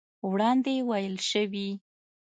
وړاندې ويل شوي